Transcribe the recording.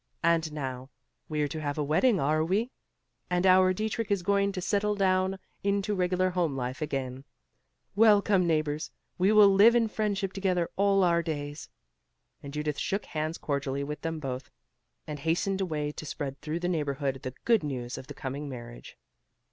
And now we're to have a wedding, are we? and our Dietrich is going to settle down into regular home life again. Welcome, neighbors; we will live in friendship together all our days." And Judith shook hands cordially with them both, and hastened away to spread through the neighborhood the good news of the coming marriage.